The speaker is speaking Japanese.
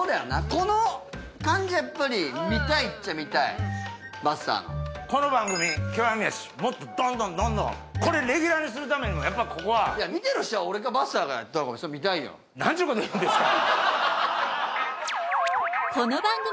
この感じやっぱり見たいっちゃ見たいばっさーのこの番組「極み飯」もっとどんどんどんどんこれレギュラーにするためにもやっぱここはいや見てる人は俺かばっさーがやったほうが見たいよ中居さん担当皮面から焼きますね